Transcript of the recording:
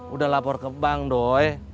udah lapor ke bank doy